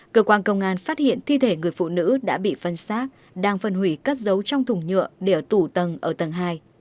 cơ quan công an phát hiện thi thể người phụ nữ đã bị phân xác đang phân hủy cất giấu trong thùng nhựa để tủ tầng ở tầng hai